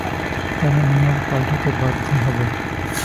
তারা নিয়ম পাল্টাতে বাধ্য হবে।